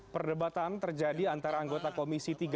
perdebatan terjadi antara anggota komisi hukum dan pd perjuangan